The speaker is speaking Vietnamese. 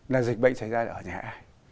là dịch bệnh xảy ra ở nhà ai